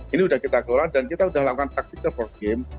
ini sudah kita kelola dan kita sudah lakukan taktik terpenggim